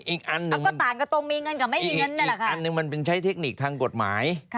อีกอันหนึ่งมันใช้เทคนิคทางกฎหมาย